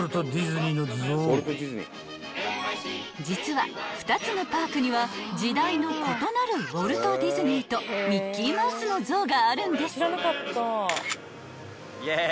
［実は２つのパークには時代の異なるウォルト・ディズニーとミッキーマウスの像があるんです］